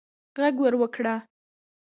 ږغ ور وکړه